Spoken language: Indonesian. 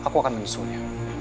aku akan menyusulnya